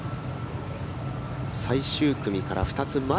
最終組から２つ前。